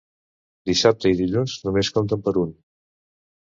Dissabte i dilluns només compten per un.